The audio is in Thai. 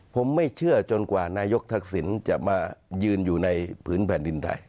ผมไม่เชื่อจนกว่านายกทักษิณจะมายืนอยู่ในผืนแผ่นดินไทย